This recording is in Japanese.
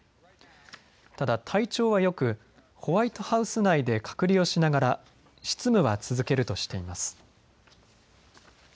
ただ体調はよく、ホワイトハウス内で隔離をしながら執務は続けるとしています。